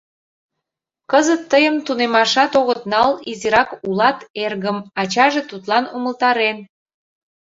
— Кызыт тыйым тунемашат огыт нал, изирак улат, эргым! — ачаже тудлан умылтарен.